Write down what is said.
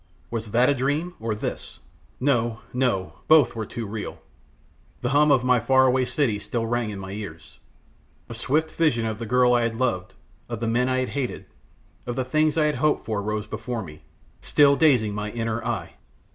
Was that a dream, or this? No, no, both were too real. The hum of my faraway city still rang in my ears: a swift vision of the girl I had loved; of the men I had hated; of the things I had hoped for rose before me, still dazing my inner eye.